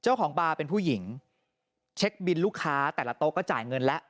เจ้าของบาร์เป็นผู้หญิงเช็คบินลูกค้าแต่ละโต๊ะก็จ่ายเงินแล้ว